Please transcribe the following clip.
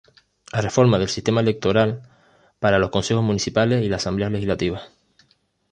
A reforma del sistema electoral para los Consejos Municipales y las Asambleas Legislativas.